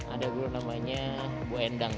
ada guru namanya bu endang